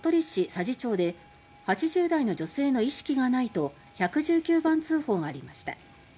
佐治町で「８０代の女性の意識がない」と１１９番通報がありました。